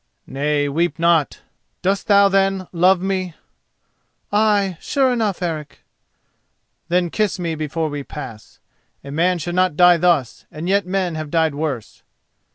"Nay, weep not. Dost thou, then, love me?" "Ay, sure enough, Eric." "Then kiss me before we pass. A man should not die thus, and yet men have died worse."